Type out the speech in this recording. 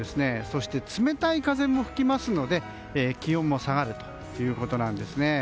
そして冷たい風も吹きますので気温も下がるということです。